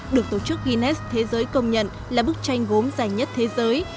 được tổ chức guinness thế giới công nhận là bức tranh gốm dài nhất thế giới